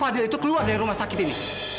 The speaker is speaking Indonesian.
dan fadil itu keluar dari rumah sakit ini